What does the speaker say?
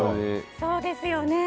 そうですよね。